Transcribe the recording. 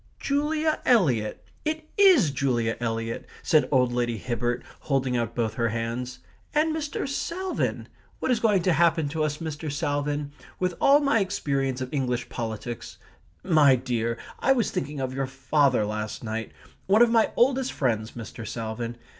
"Julia Eliot. It IS Julia Eliot!" said old Lady Hibbert, holding out both her hands. "And Mr. Salvin. What is going to happen to us, Mr. Salvin? With all my experience of English politics My dear, I was thinking of your father last night one of my oldest friends, Mr. Salvin.